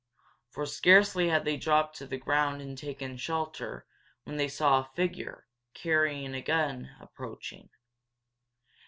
For scarcely had they dropped to the ground and taken shelter when they saw a figure, carrying a gun, approaching.